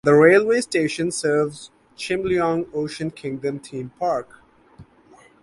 The railway station serves the Chimelong Ocean Kingdom theme park.